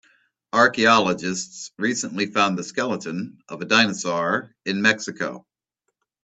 Archaeologists recently found the skeleton of a dinosaur in Mexico.